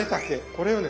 これをね